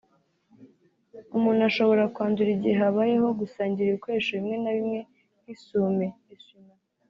umuntu ashobora kwandura igihe habayeho gusangira ibikoresho bimwe na bimwe nk’isume (essui- mains)